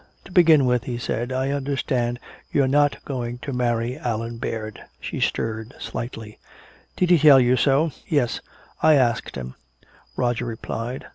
"To begin with," he said, "I understand you're not going to marry Allan Baird." She stirred slightly: "Did he tell you so?" "Yes I asked him," Roger replied.